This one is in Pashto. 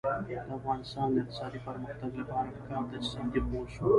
د افغانستان د اقتصادي پرمختګ لپاره پکار ده چې صادق اوسو.